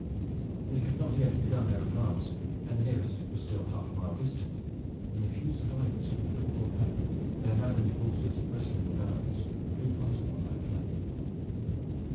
They had not yet begun their advance, and the nearest was still half a mile distant, when the few survivors from the forlorn hope, their maddened horses bristling with arrows, flew past them on either flank.